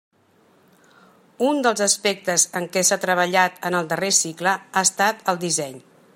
Un dels aspectes en què s'ha treballat en el darrer cicle ha estat el disseny.